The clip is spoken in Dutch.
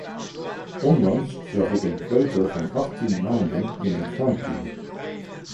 Onlangs zag ik een peuter van achttien maanden in een kraamkliniek.